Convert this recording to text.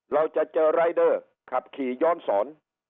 เราจะเจอรายเดอร์ขับขี่ย้อนสอน